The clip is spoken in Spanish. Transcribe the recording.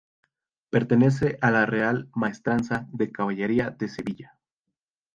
Pertenece a la Real Maestranza de Caballería de Sevilla.